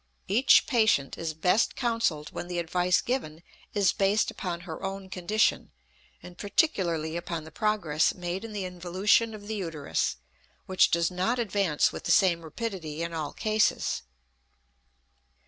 Each patient is best counselled when the advice given is based upon her own condition and particularly upon the progress made in the involution of the uterus, which does not advance with the same rapidity in all cases.